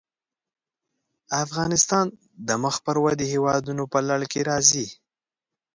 افغانستان د مخ پر ودې هېوادونو په لړ کې راځي.